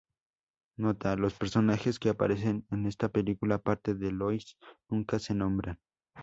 Nota: los personajes que aparecen en esta película, aparte de Lois, nunca se nombran.